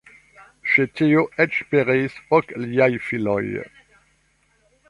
Ĉe tio eĉ pereis ok liaj filoj.